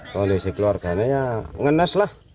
kondisi keluarganya ngenes lah